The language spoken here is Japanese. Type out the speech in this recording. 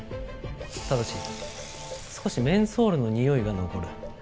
ただし少しメンソールのにおいが残る。